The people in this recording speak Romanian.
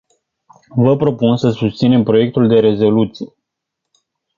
Vă propun să susținem proiectul de rezoluție.